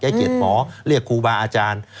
เกลียดหมอเรียกครูบาอาจารย์